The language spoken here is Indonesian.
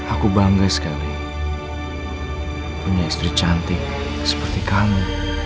aku bangga sekali punya istri cantik seperti kami